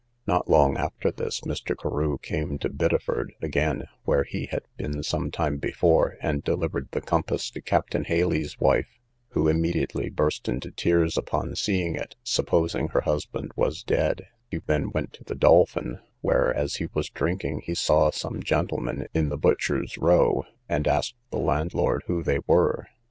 Not long after this, Mr. Carew came to Biddeford again, where he had been some time before, and delivered the compass to Captain Haley's wife, who immediately burst into tears upon seeing it, supposing her husband was dead: he then went to the Dolphin, where, as he was drinking, he saw some gentlemen in the Butchers' Row, and asked the landlord who they were.